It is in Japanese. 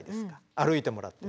歩いてもらって。